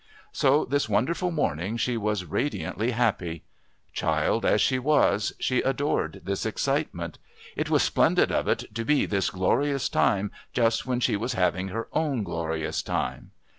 So this wonderful morning she was radiantly happy. Child as she was, she adored this excitement. It was splendid of it to be this glorious time just when she was having her own glorious time!